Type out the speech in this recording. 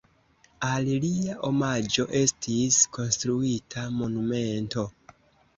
Al lia omaĝo estis konstruita monumento.